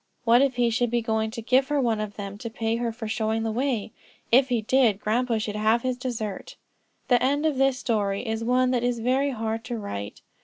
What if he should be going to give her one of them to pay her for showing the way. If he did, grandpa should have his dessert. The end of this story is one that is very hard to write.